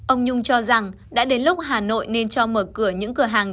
ông nhung cho rằng đã đến lúc hà nội nên cho mở cửa những cửa hàng